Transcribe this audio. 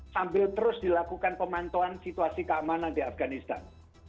sambil terus dilakukan pemantauan situasi keamanan di afganistan